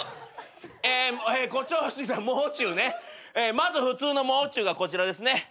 まず普通のもう中がこちらですね。